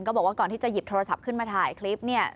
บอกว่าก่อนที่จะหยิบโทรศัพท์ขึ้นมาถ่ายคลิปเนี่ย